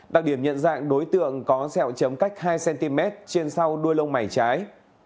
đặc điểm nhận dạng đối tượng có xẹo chấm cách hai cm trên sau đuôi lông mày trái